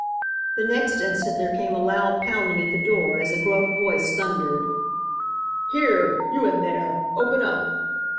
The next instant there came a loud pounding at the door as a gruff voice thundered: "Here, you in there! Open up!"